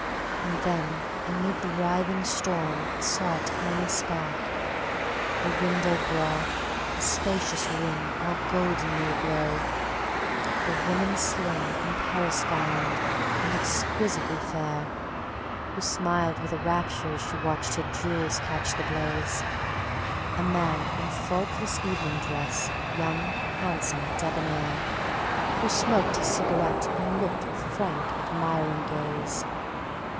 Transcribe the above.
And then amid the writhing storm it saw a tiny spark, A window broad, a spacious room all goldenly aglow, A woman slim and Paris gowned and exquisitely fair, Who smiled with rapture as she watched her jewels catch the blaze; A man in faultless evening dress, young, handsome, debonnaire, Who smoked his cigarette and looked with frank admiring gaze.